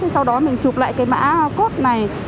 sau đó mình chụp lại cái mã code này